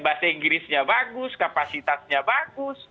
bahasa inggrisnya bagus kapasitasnya bagus